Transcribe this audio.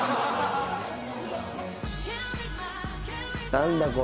何だこの。